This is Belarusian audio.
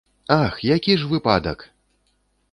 Ах, які ж выпадак!